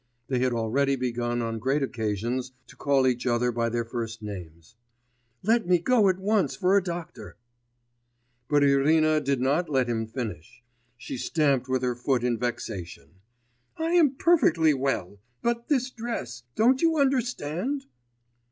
(They had already begun on great occasions to call each other by their first names.) 'Let me go at once for a doctor.' But Irina did not let him finish; she stamped with her foot in vexation. 'I am perfectly well ... but this dress ... don't you understand?